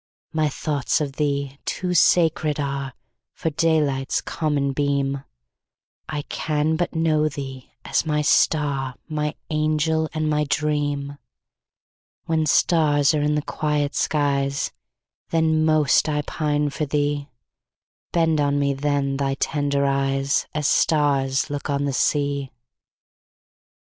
My thoughts of thee too sacred areFor daylight's common beam:I can but know thee as my star, My angel and my dream; When stars are in the quiet skies, Then most I pine for thee; Bend on me then thy tender eyes, As stars look on the sea!